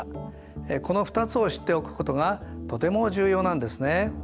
この２つを知っておくことがとても重要なんですね。